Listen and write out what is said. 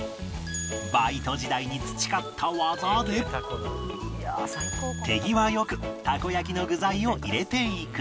バイト時代に培った技で手際よくたこ焼きの具材を入れていく